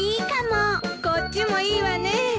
こっちもいいわね。